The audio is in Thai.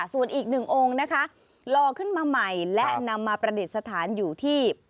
ส่วนอีกหนึ่งองค์นะคะรอขึ้นมาใหม่และนำมาประดิษฐานอยู่ที่